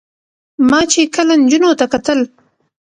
ما چې کله نجونو ته کتل